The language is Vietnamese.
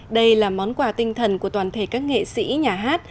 đây là món quà tinh thần của toàn thể các nghệ sĩ nhà hát